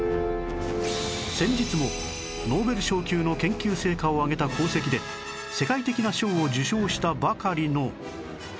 先日もノーベル賞級の研究成果を上げた功績で世界的な賞を受賞したばかりの